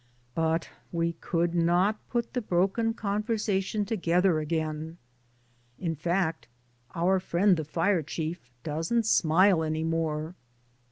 But we could not put the broken conversation together again. In fact, our friend the fire chief doesn't smile any more.